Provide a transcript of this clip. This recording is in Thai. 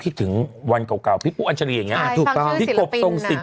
คิดถึงวันเก่าเก่าพี่ปุ๊บอันฉรีอย่างเงี้ยใช่ถูกต้องหาภิกบงสมศิษย์